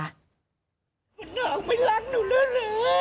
มันออกไปรักหนูเลย